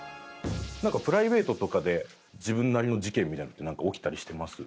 プライベートとかで自分なりの事件みたいのってなんか起きたりしてます？